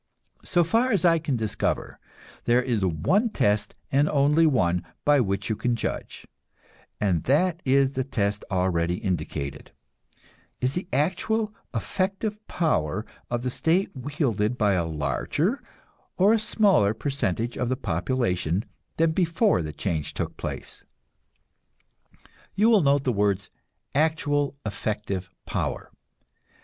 So far as I can discover, there is one test, and only one, by which you can judge, and that is the test already indicated: Is the actual, effective power of the state wielded by a larger or a smaller percentage of the population than before the change took place? You will note the words "actual, effective power."